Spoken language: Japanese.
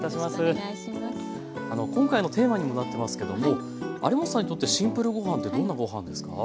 今回のテーマにもなってますけども有元さんにとって「シンプルごはん」ってどんな「ごはん」ですか？